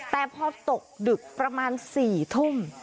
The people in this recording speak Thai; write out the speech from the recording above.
แต่พอตกดึกประมาณ๔ทุ่ม